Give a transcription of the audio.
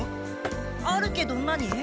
あるけど何？